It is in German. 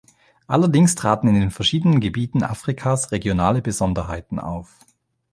Allerdings traten in den verschiedenen Gebieten Afrikas regionale Besonderheiten auf.